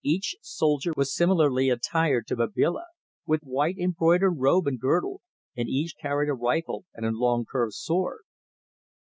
Each soldier was similarly attired to Babila, with white embroidered robe and girdle, and each carried a rifle and a long curved sword.